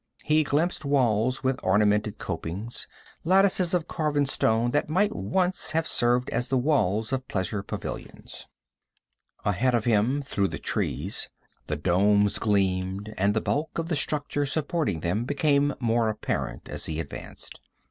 He glimpsed walls with ornamental copings, lattices of carven stone that might once have served as the walls of pleasure pavilions. Ahead of him, through the trees, the domes gleamed and the bulk of the structure supporting them became more apparent as he advanced.